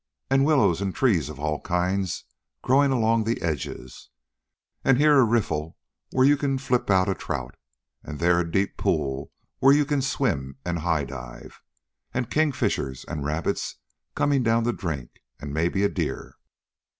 "An' willows and trees of all kinds growing along the edges, and here a riffle where you can flip out trout, and there a deep pool where you can swim and high dive. An' kingfishers, an' rabbits comin' down to drink, an', maybe, a deer."